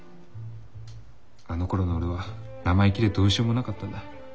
あのころの俺は生意気でどうしようもなかったんだ。